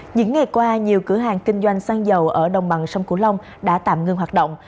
những ngày qua nhiều cửa hàng kinh doanh xăng dầu ở đồng bằng sông cửu long đã tạm ngưng hoạt động